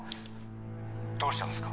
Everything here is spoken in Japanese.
「どうしたんですか？」